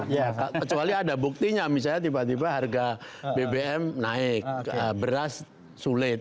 ya kecuali ada buktinya misalnya tiba tiba harga bbm naik beras sulit